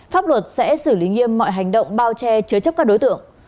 pháp luật sẽ xử lý nghiêm mọi hành động bao che chứa chấp các đối tượng